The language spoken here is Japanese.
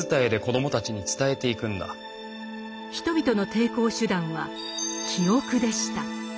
人々の抵抗手段は「記憶」でした。